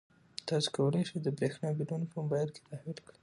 تاسو کولای شئ د برښنا بلونه په موبایل کې تحویل کړئ.